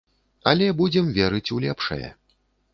Але будзем верыць у лепшае.